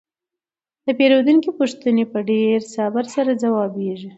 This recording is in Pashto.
د پیرودونکو پوښتنې په ډیر صبر سره ځوابیږي.